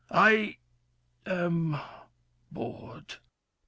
I am bored.